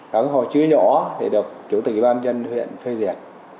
các hồ chứa nhỏ thì được chủ tịch ủy ban dân huyện phê diệt